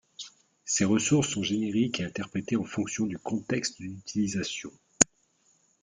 Ces ressources sont génériques et interprétée en fonction du contexte d'utilisation.